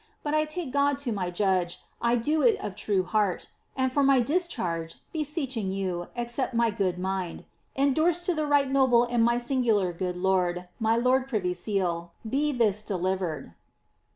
But I take Qod to ray judge, I do it of true heart, and for ray discharge, beseeching you, accept my good mind. Endorsed to the right noble and my singular good lord, my lord Privy Seal, be this delivered."